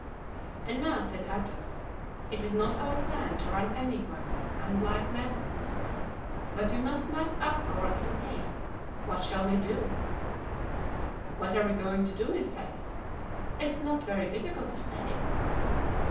"And now," said Athos, "it is not our plan to run anywhere and like madmen, but we must map up our campaign. What shall we do?" "What are we going to do, i'faith? It is not very difficult to say."